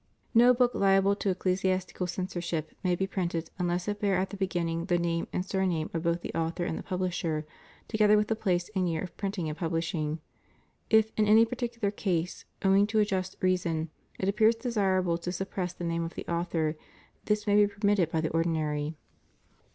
No book liable to ecclesiastical censorship may be printed unless it bear at the beginning the name and sur name of both the author and the publisher, together with the place and year of printing and publishing. If in any particular case, owing to a just reason, it appears desirable to suppress the name of the author, this may be permitted by the ordinary.